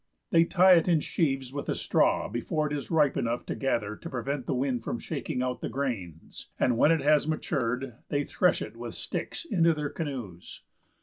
They tie it in sheaves with a straw before it is ripe enough to gather to prevent the wind from shaking out the grains, and when it has matured, they thresh it with sticks into their canoes.